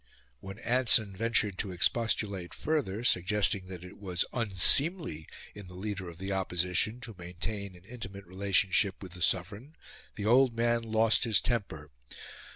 When Anson ventured to expostulate further, suggesting that it was unseemly in the leader of the Opposition to maintain an intimate relationship with the Sovereign, the old man lost his temper.